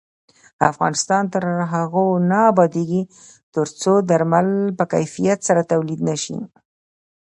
افغانستان تر هغو نه ابادیږي، ترڅو درمل په کیفیت سره تولید نشي.